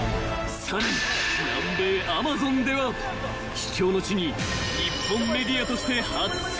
［さらに南米アマゾンでは秘境の地に日本メディアとして初潜入］